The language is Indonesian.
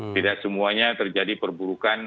tidak semuanya terjadi perburukan